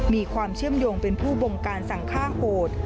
มีความเชื่อมโยงเป็นผู้บงการสั่งฆ่าโหด